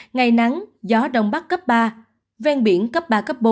ngày nắng gió đông bắc cấp ba ven biển cấp ba bốn